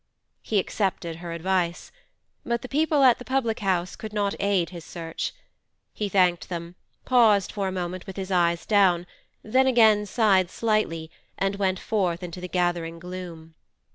He accepted her advice. But the people at the public house could not aid his search. He thanked them, paused for a moment with his eyes down, then again sighed slightly and went forth into the gathering gloom.